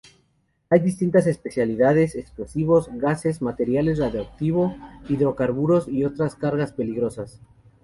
Hay distintas especialidades: explosivos, gases, material radiactivo, hidrocarburos y otras cargas peligrosas.